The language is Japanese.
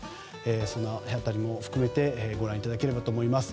その辺りも含めてご覧いただければと思います。